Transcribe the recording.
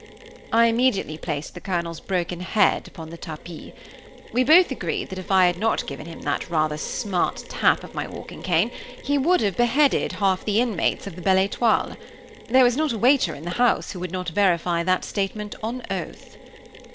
I immediately placed the Colonel's broken head upon the tapis. We both agreed that if I had not given him that rather smart tap of my walking cane, he would have beheaded half the inmates of the Belle Étoile. There was not a waiter in the house who would not verify that statement on oath.